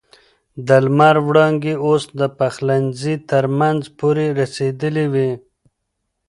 د لمر وړانګې اوس د پخلنځي تر منځه پورې رسېدلې وې.